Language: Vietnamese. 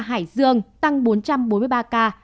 hải dương tăng bốn trăm bốn mươi ba ca